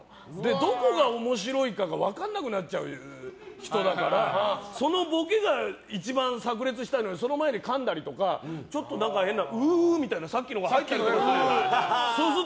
どこが面白いかが分からなくなっちゃう人だからそのボケが一番炸裂したのはその前にかんだりとかちょっと変な、うみたいなさっきのが入ったりする。